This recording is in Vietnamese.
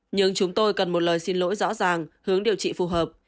nhưng chúng tôi cần một lời xin lỗi rõ ràng hướng điều trị phù hợp